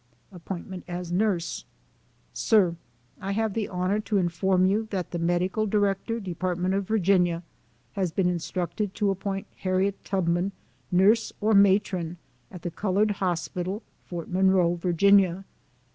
Appointment as Nurse. Sin : I have the honor to inform you that the Medical Director Department of Virginia has been instructed to appoint Harriet Tubman nurse or matron at the Colored Hospital, Fort Monroe, Va.